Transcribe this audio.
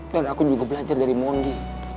dan aku juga belajar dari mondi